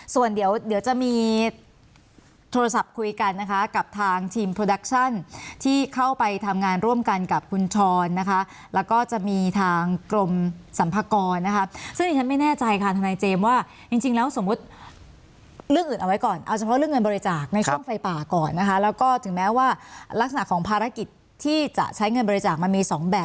ส่วนเดี๋ยวเดี๋ยวจะมีโทรศัพท์คุยกันนะคะกับทางทีมโปรดักชั่นที่เข้าไปทำงานร่วมกันกับคุณชรนะคะแล้วก็จะมีทางกรมสัมภากรนะคะซึ่งดิฉันไม่แน่ใจค่ะทนายเจมส์ว่าจริงแล้วสมมุติเรื่องอื่นเอาไว้ก่อนเอาเฉพาะเรื่องเงินบริจาคในช่วงไฟป่าก่อนนะคะแล้วก็ถึงแม้ว่าลักษณะของภารกิจที่จะใช้เงินบริจาคมันมีสองแบบ